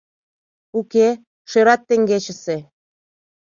— Уке, шӧрат теҥгечысе.